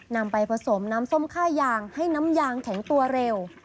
นำไปผสมน้ำส้มค่ายางให้น้ำยางแข็งตัวเร็ว